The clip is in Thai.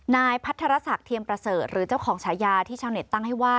นายพัทรศักดิ์เทียมประเสริฐหรือเจ้าของฉายาที่ชาวเน็ตตั้งให้ว่า